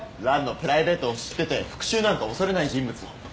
ランのプライベートを知ってて復讐なんか恐れない人物を。